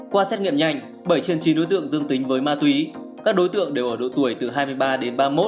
qua xét nghiệm nhanh bảy trên chín đối tượng dương tính với ma túy các đối tượng đều ở độ tuổi từ hai mươi ba đến ba mươi một